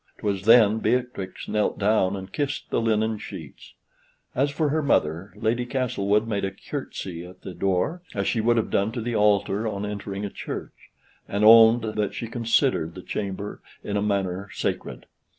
'Twas then Beatrix knelt down and kissed the linen sheets. As for her mother, Lady Castlewood made a curtsy at the door, as she would have done to the altar on entering a church, and owned that she considered the chamber in a manner sacred.